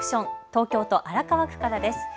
東京都荒川区からです。